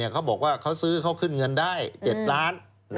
เขาบอกว่าเขาซื้อเขาขึ้นเงินได้๗ล้าน